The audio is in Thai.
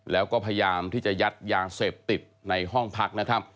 แล้วก็พยายามที่จะยัดยาเสพติดในห้องพักนะครับ